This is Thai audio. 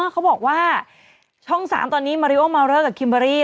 เขาบอกว่าช่อง๓ตอนนี้มาริโอมาวเลอร์กับคิมเบอรี่